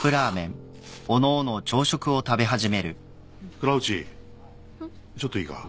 倉内ちょっといいか？